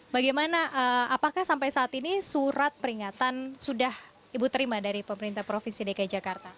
bagaimana apakah sampai saat ini surat peringatan sudah ibu terima dari pemerintah provinsi dki jakarta